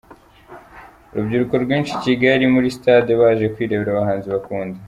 Urubyiruko rwinshi i Kigali muri Stade baje kwirebera abahanzi bakunda.